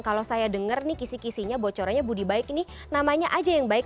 kalau saya denger nih kisih kisihnya bocorannya budi baik ini namanya aja yang baik